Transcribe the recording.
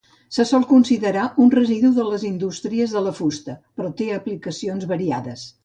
Se sol considerar un residu de les indústries de la fusta, però té aplicacions variades.